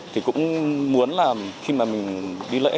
thì cũng muốn là khi mà mình đi lễ